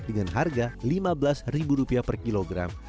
dengan harga rp lima belas per kilogram